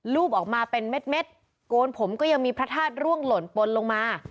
รูปออกมาเป็นเม็ดโกนผมก็ยังมีพระธาตุร่วงหล่นปนลงมา